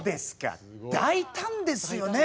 大胆ですよね。